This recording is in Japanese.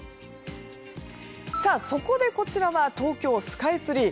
そこで、こちらは東京スカイツリー。